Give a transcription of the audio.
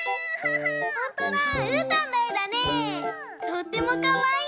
とってもかわいい！